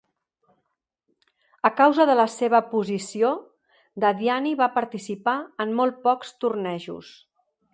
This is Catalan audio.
A causa de la seva posició, Dadiani va participar en molt pocs tornejos.